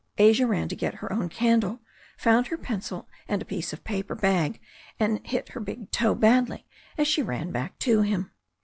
Asia ran to get her own candle, found her pencil and a piece of a paper bag, and hit her big toe badly as she ran back to him.